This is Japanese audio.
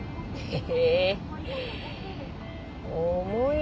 え？